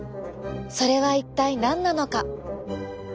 それは一体何なのか。